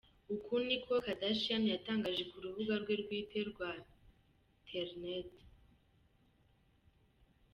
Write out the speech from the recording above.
" Uku ni ko Kardashian yatangaje ku rubuga rwe bwite rwa ’nternet’.